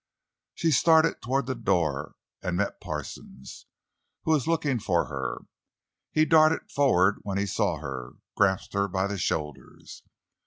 She started toward the door, and met Parsons—who was looking for her. He darted forward when he saw her, and grasped her by the shoulders.